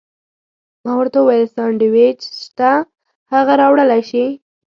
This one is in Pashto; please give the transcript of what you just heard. ما ورته وویل: سانډویچ شته، هغه راوړلی شې؟